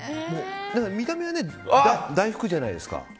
見た目は大福じゃないですか。